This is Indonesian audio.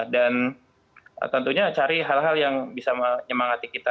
dan tentunya cari hal hal yang bisa menyemangati kita